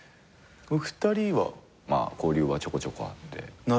２人は交流はちょこちょこあって。